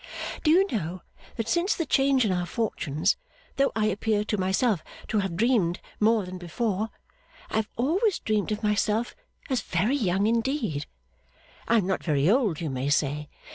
Do you know that since the change in our fortunes, though I appear to myself to have dreamed more than before, I have always dreamed of myself as very young indeed! I am not very old, you may say.